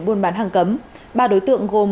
buôn bán hàng cấm ba đối tượng gồm